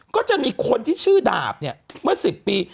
ก็จะมีคนที่ชื่อดาบเนี่ยเมื่อ๑๐ปี